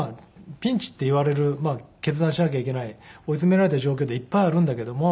ピンチっていわれる決断しなきゃいけない追い詰められた状況っていっぱいあるんだけども。